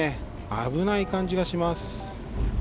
危ない感じがします。